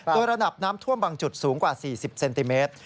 โดยระดับน้ำท่วมบางจุดสูงกว่า๔๐เซนติเมตร